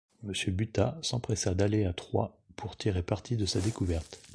M Buttat, s'empressa d'aller à Troyes pour tirer parti de sa découverte.